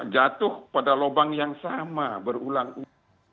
jatuh pada lubang yang sama berulang ulang